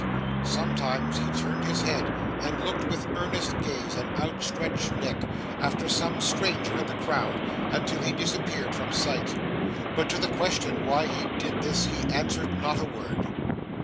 Sometimes he turned his head, and looked, with earnest gaze and outstretched neck, after some stranger in the crowd, until he disappeared from sight; but, to the question why he did this, he answered not a word.